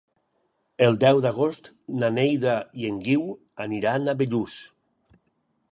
El deu d'agost na Neida i en Guiu aniran a Bellús.